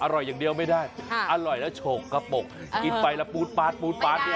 อร่อยอย่างเดียวไม่ได้อร่อยแล้วโฉกกระปกกินไปแล้วปูดปาดปูดปาดเนี่ย